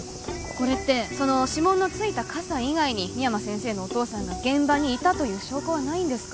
これってその指紋のついた傘以外に深山先生のお父さんが現場にいたという証拠はないんですか？